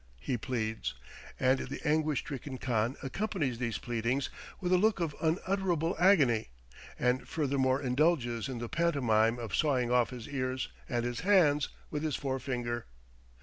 he pleads, and the anguish stricken khan accompanies these pleadings with a look of unutterable agony, and furthermore indulges in the pantomime of sawing off his ears and his hands with his forefinger.